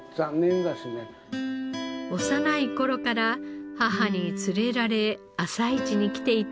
幼い頃から母に連れられ朝市に来ていた藤田さん。